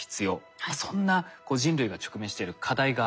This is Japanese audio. そんな人類が直面している課題がありますよね。